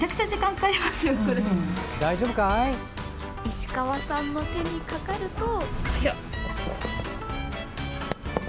石川さんの手にかかると。